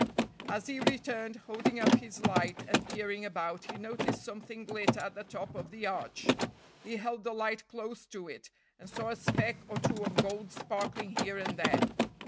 As he returned, holding up his light and peering about, he noticed something glitter at the top of the arch; he held the light close to it and saw a speck or two of gold sparkling here and there.